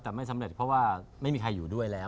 แต่ไม่สำเร็จเพราะว่าไม่มีใครอยู่ด้วยแล้ว